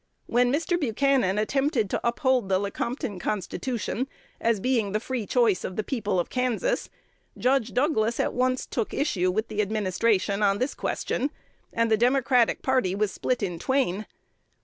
When Mr. Buchanan attempted to uphold the Lecompton Constitution as being the free choice of the people of Kansas, Judge Douglas at once took issue with the administration on this question, and the Democratic party was split in twain.